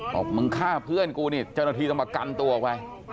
บอกมึงฆ่าเพื่อนกูนี่เจ้าหน้าที่ต้องมากันตัวออกไป